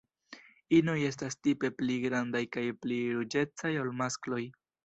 Inoj estas tipe pli grandaj kaj pli ruĝecaj ol maskloj.